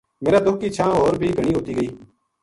میرا دُکھ کی چھاں ہور بے گھنی ہوتی گئی